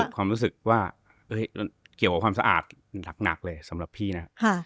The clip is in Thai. ความรู้สึกว่าเกี่ยวกับความสะอาดหนักเลยสำหรับพี่นะครับ